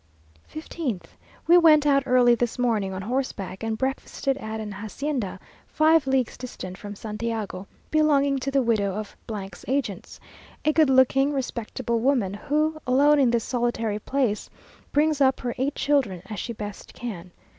15th. We went out early this morning on horseback, and breakfasted at an hacienda, five leagues distant from Santiago, belonging to the widow of 's agents, a good looking, respectable woman, who, alone, in this solitary place, brings up her eight children as she best can.